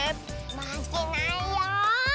まけないよ。